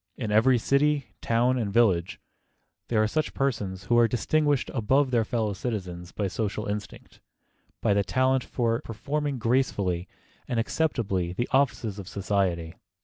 In every city, town and village, there are such persons who are distinguished above their fellow citizens by social instinct, by the talent for performing gracefully and acceptably the offices of society.